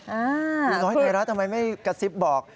หนูน้อยไทยรัฐทำไมไม่กระซิบบอก